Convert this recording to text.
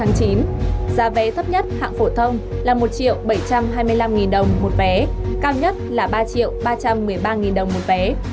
giá vé thấp nhất hạng phổ thông là một bảy trăm hai mươi năm đồng một vé cao nhất là ba ba trăm một mươi ba đồng một vé